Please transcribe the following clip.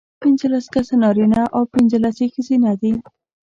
پینځلس کسه نارینه او پینځلس یې ښځینه دي.